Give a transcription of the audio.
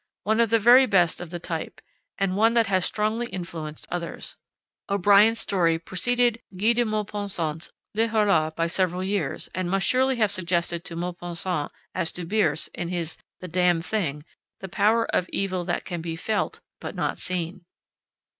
_ one of the very best of the type, and one that has strongly influenced others. O'Brien's story preceded Guy de Maupassant's Le Horla by several years, and must surely have suggested to Maupassant as to Bierce, in his The Damned Thing, the power of evil that can be felt but not seen.